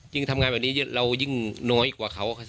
ทำงานแบบนี้เรายิ่งน้อยกว่าเขา